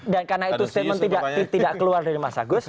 dan karena itu statement tidak keluar dari mas agus